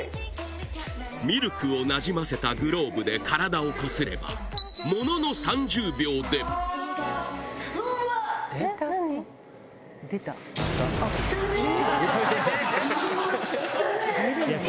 ミルクをなじませたグローブで体をこすればうわ汚ったねぇ！